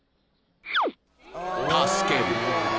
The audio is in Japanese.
［助ける］